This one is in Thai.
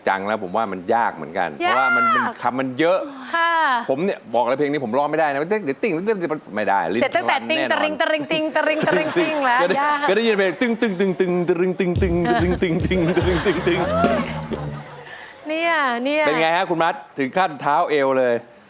แหละคุณมัดถึงขั้นเท้าเอวเลย